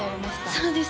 そうです